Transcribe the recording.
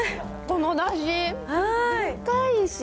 このおだし。